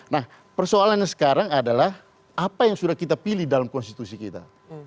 nah persoalannya sekarang adalah apa yang sudah kita pilih dalam konstitusi kita